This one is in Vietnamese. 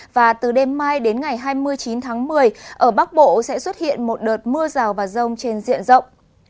và từ đêm mai đến ngày hai mươi chín tháng một mươi ở bắc bộ sẽ xuất hiện một đợt mưa rào và rông trên diện rộng